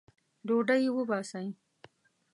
ډوډۍ وباسئ